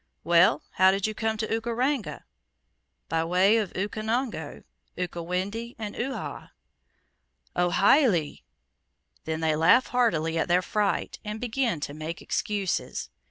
"Well, how did you come to Ukaranga?" "By way of Ukonongo, Ukawendi, and Uhha." "Oh hi le!" Then they laugh heartily at their fright, and begin to make excuses.